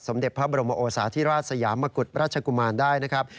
เด็จพระบรมโอสาธิราชสยามกุฎราชกุมารได้นะครับ